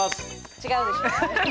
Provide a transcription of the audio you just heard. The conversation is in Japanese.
違うでしょ。